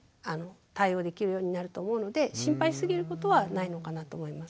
対応できるようになると思うので心配しすぎることはないのかなと思います。